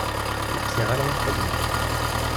Ur ḥsiɣ ara ad t-xedmeɣ.